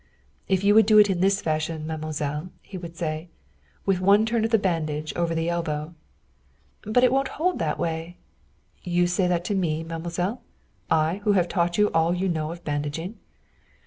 "If you would do it in this fashion, mademoiselle," he would say, "with one turn of the bandage over the elbow " "But it won't hold that way." "You say that to me, mademoiselle? I who have taught you all you know of bandaging?"